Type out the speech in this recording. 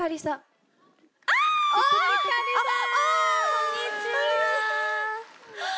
こんにちは。